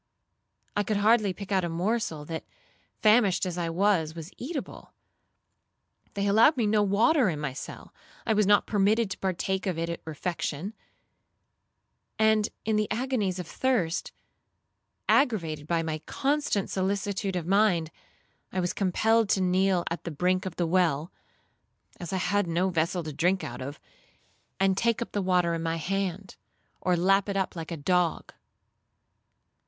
I could hardly pick out a morsel that, famished as I was, was eatable. They allowed me no water in my cell; I was not permitted to partake of it at refection; and, in the agonies of thirst, aggravated by my constant solicitude of mind, I was compelled to kneel at the brink of the well, (as I had no vessel to drink out of), and take up the water in my hand, or lap it like a dog.